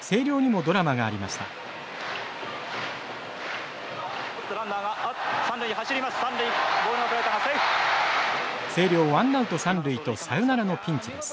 星稜ワンナウト三塁とサヨナラのピンチです。